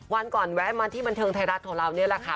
วันก่อนแวะมาที่บันเทิงไทยรัฐของเรานี่แหละค่ะ